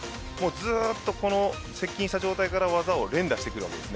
ずっと接近した状態から技を連打してきます。